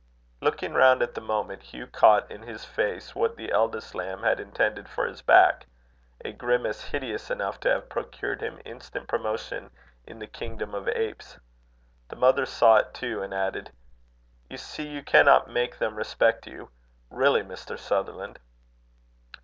Looking round at the moment, Hugh caught in his face what the elder lamb had intended for his back, a grimace hideous enough to have procured him instant promotion in the kingdom of apes. The mother saw it too, and added: "You see you cannot make them respect you. Really, Mr. Sutherland!"